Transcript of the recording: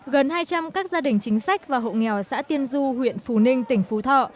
gần hai trăm linh các gia đình chính sách và hộ nghèo xã tiên du huyện phù ninh tỉnh phú thọ